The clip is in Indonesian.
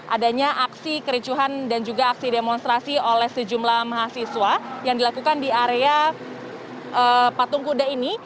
adanya aksi kericuhan dan juga aksi demonstrasi oleh sejumlah mahasiswa yang dilakukan di area patung kuda ini